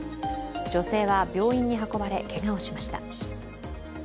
女性は病院に運ばれけがをしました。